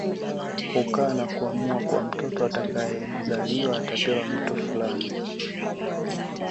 Hukaa na kuamua kuwa mtoto atakayezaliwa atapewa mtu fulani